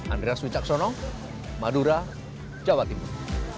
andreas wicaksono madura jawa timur